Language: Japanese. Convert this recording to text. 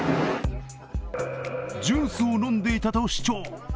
ジュースを飲んでいたと主張。